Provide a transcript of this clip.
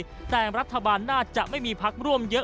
แต่รัฐบาลน่าจะไม่มีพักร่วมเยอะ